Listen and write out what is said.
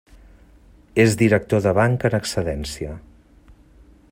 És director de banca en excedència.